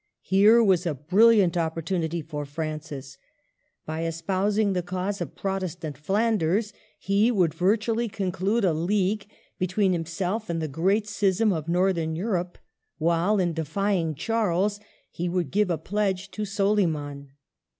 Here was a brilliant opportunity for Francis. By espousing the cause of Protestant Flanders he would virtually conclude a league between himself and the great schism of Northern Europe, while in defying Charles he would give a pledge to Soliman.